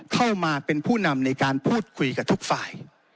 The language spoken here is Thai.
เข้ามาเป็นผู้นำในการพูดคุยกับทุกฝ่าย